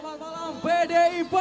nyawa ku rambi ruang dia